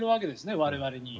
我々に。